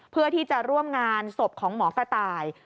เพื่อที่จะร่วมงานศพของหมอกระต่าย